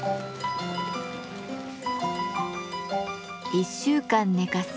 １週間寝かせ